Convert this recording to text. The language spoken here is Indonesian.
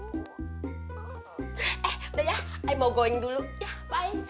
eh udah ya i mau going dulu ya bye